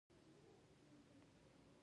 شونې ده نور ایتلافونه هم منځ ته راشي.